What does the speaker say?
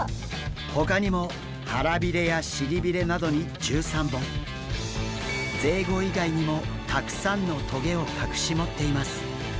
ほかにも腹びれや尻びれなどに１３本ぜいご以外にもたくさんの棘を隠し持っています。